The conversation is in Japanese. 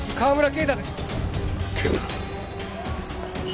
啓太？